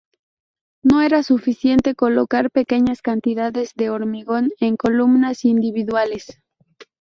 No era suficiente colocar pequeñas cantidades de hormigón en columnas individuales.